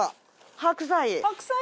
白菜。